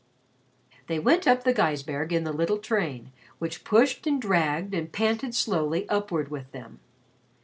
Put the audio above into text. They went up the Gaisberg in the little train, which pushed and dragged and panted slowly upward with them.